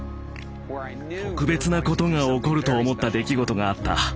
特別なことが起こると思った出来事があった。